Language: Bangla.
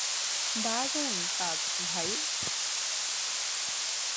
দারুণ কাজ, ভাই।